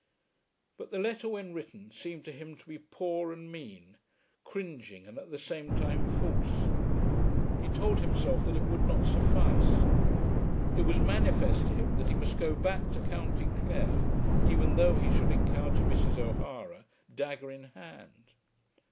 But the letter when written seemed to him to be poor and mean, cringing and at the same time false. He told himself that it would not suffice. It was manifest to him that he must go back to County Clare, even though he should encounter Mrs. O'Hara, dagger in hand.